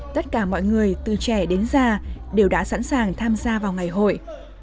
tất cả mọi người từ trẻ đến già đều đã sẵn sàng tham gia vào ngày hội